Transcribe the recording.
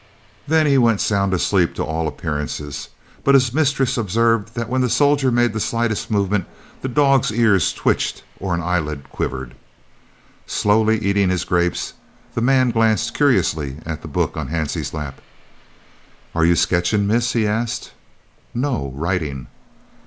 Then he went sound asleep to all appearances, but his mistress observed that when the soldier made the slightest movement, the dog's ears twitched or an eyelid quivered. Slowly eating his grapes, the man glanced curiously at the book on Hansie's lap. "Are you sketchin', miss?" he asked. "No; writing."